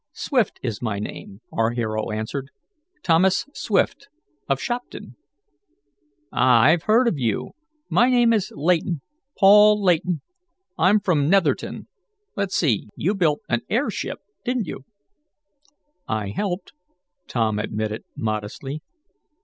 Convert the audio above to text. "Swift is my name," our hero answered. "Thomas Swift, of Shopton." "Ah, I've heard of you. My name is Layton Paul Layton. I'm from Netherton. Let's see, you built an airship, didn't you?" "I helped," Tom admitted modestly.